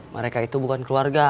mereka itu bukan keluarga